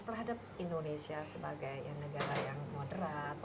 terhadap indonesia sebagai negara yang moderat